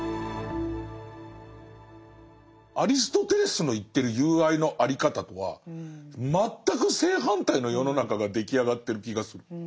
アリストテレスの言ってる友愛のあり方とは全く正反対の世の中が出来上がってる気がする。